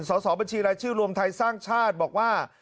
สอบบัญชีรายชื่อรวมไทยสร้างชาติบอกว่า